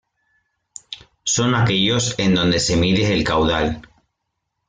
Son aquellos en donde se mide el caudal.